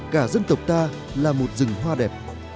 cả dân tộc ta là một rừng hoa đẹp